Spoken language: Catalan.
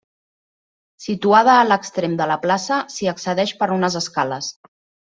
Situada a l'extrem de la plaça, s'hi accedeix per unes escales.